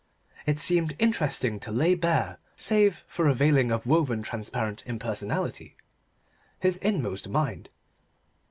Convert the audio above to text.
It seemed interesting to lay bare, save for a veiling of woven transparent impersonality, his inmost mind.